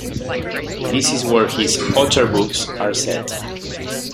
This is where his "otter books" are set.